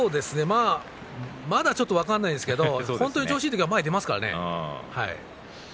まだちょっと分からないですけど、本当に調子がいい時は前に出ますからね。